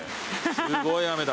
すごい雨だ。